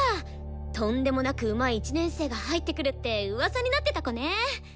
とんでもなくうまい１年生が入ってくるってうわさになってた子ね！